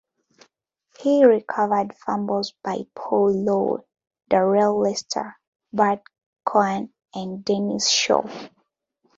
He recovered fumbles by Paul Lowe, Darrell Lester, Bert Coan and Dennis Shaw.